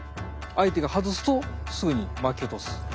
相手が外すとすぐに巻き落とす。